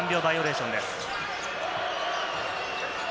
３秒バイオレーションです。